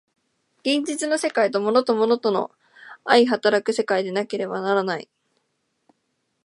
現実の世界とは物と物との相働く世界でなければならない。